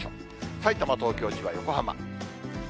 さいたま、東京、千葉、横浜。